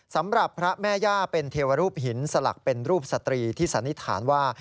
สำหรับพระแม่ย่าเป็นเทวรูปหินสลักเป็นรูปสตรีที่สันนิษฐานว่า